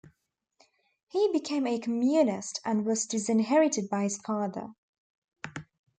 He became a Communist and was disinherited by his father.